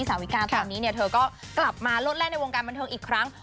สาวิกาตอนนี้เธอก็กลับมาลดแล่นในวงการบันเทิงอีกครั้ง